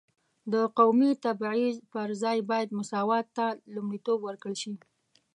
د قومي تبعیض پر ځای باید مساوات ته لومړیتوب ورکړل شي.